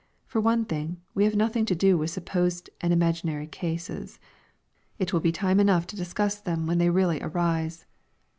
For one thing, we have nothing to do with supposed and imaginary cases. It will be time enough, to discuss them when they really arise.